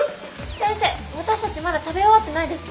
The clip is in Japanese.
先生私たちまだ食べ終わってないです。